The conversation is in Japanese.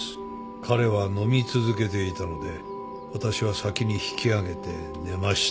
彼は飲み続けていたので私は先に引きあげて寝ました。